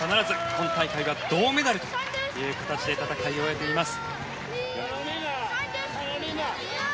今大会は銅メダルという形で戦いを終えています。